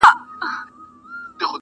دغه ګناه مي لویه خدایه په بخښلو ارزي,